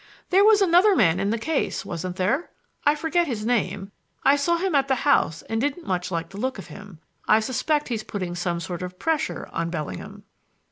"There was another man in the case, wasn't there? I forget his name. I saw him at the house and didn't much like the look of him. I suspect he's putting some sort of pressure on Bellingham."